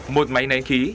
một máy nén khí